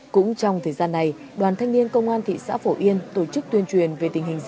cũng trong thời gian này đoàn thanh niên công an thị xã phổ yên tổ chức tuyên truyền về tình hình dịch